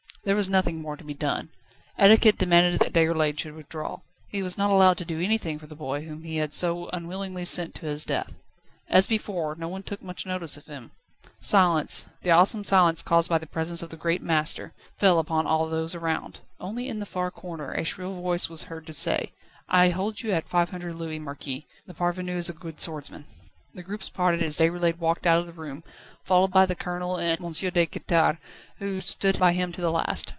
There was nothing more to be done. Etiquette demanded that Déroulède should withdraw. He was not allowed to do anything for the boy whom he had so unwillingly sent to his death. As before, no one took much notice of him. Silence, the awesome silence caused by the presence of the great Master, fell upon all those around. Only in the far corner a shrill voice was heard to say: "I hold you at five hundred louis, Marquis. The parvenu is a good swordsman." The groups parted as Déroulède walked out of the room, followed by the Colonel and M. de Quettare, who stood by him to the last.